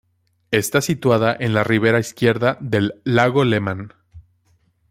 Está situada en la ribera izquierda del lago Lemán.